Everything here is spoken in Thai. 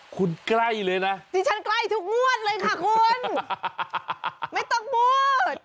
คุณใกล้เลยนะดิฉันใกล้ทุกงวดเลยค่ะคุณไม่ต้องพูด